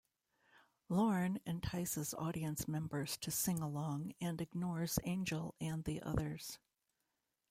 Lorne entices audience members to sing along and ignores Angel and the others.